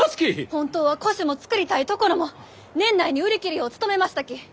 本当は古酒も造りたいところも年内に売り切るよう努めましたき！